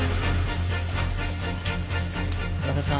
和田さん